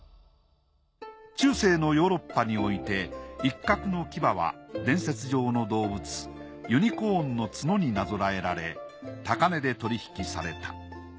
中世のヨーロッパにおいてイッカクの牙は伝説上の動物ユニコーンの角になぞらえられ高値で取り引きされた。